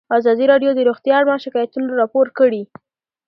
ازادي راډیو د روغتیا اړوند شکایتونه راپور کړي.